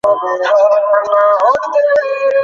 আর লিখিতে ইচ্ছা হয় না–লেখাও কঠিন।